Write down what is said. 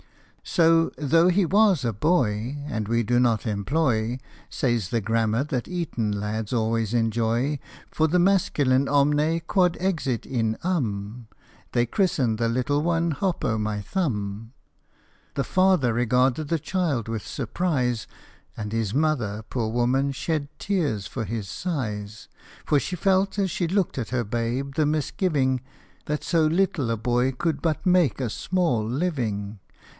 So, though he was a boy, And we do not employ Says the grammar that Eton lads always enjoy For the masculine omne quod exit in urn, They christened the little one Hop o' my Thumb. The father regarded the child with surprise ; And his mother, poor woman, shed tears for his size, For she felt as she looked at her babe the misgiving That so little a boy could but make a small living.